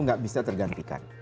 tidak bisa tergantikan